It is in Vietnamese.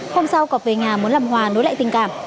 hôm sau cọp về nhà muốn làm hòa nối lại tình cảm